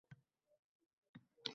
Qoshiq ham moy, tovoq ham